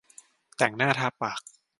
แต่งหน้าทาปาก